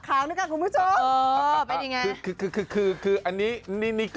อ้าวฝากคาวนึงคะคุณประหล่ม